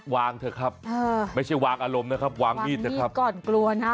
วางเถอะครับไม่ใช่วางอารมณ์นะครับวางมีดก่อนกลัวนะ